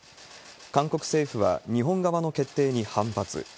韓国政府は日本側の決定に反発。